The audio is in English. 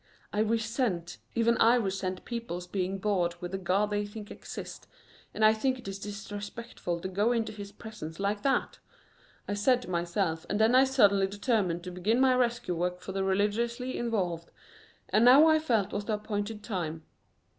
"I resent, even I resent people's being bored with the God they think exists, and I think it is disrespectful to go into His presence like that," I said to myself, and then I suddenly determined to begin my rescue work for the religiously involved, and now I felt was the appointed time.